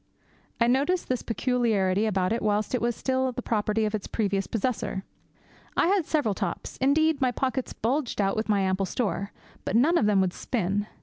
I noticed this peculiarity about it whilst it was still the property of its previous possessor. I had several tops; indeed, my pockets bulged out with my ample store, but none of them would spin.